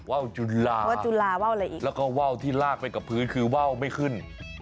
ว้าวจุลาแล้วก็ว้าวที่ลากไปกับพื้นคือว้าวไม่ขึ้น